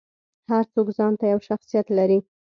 هر څوک ځانته یو شخصیت لري.